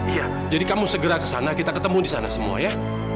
iya jadi kamu segera kesana kita ketemu di sana semua ya